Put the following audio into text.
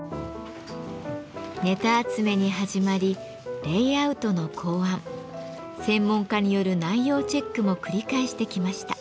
ネタ集めに始まりレイアウトの考案専門家による内容チェックも繰り返してきました。